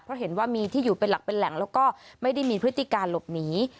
เพราะเห็นว่ามีที่อยู่เป็นหลักเป็นแหล่งแล้วก็ไม่ได้มีพฤติการหลบหนี